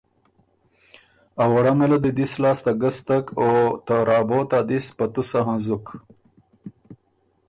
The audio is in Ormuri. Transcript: ا ووړمه له دی دِست لاسته ګستک او ته رابوت ا دِست په تُسه هنزُک۔